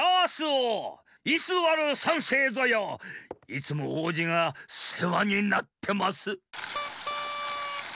いつもおうじがせわになってます。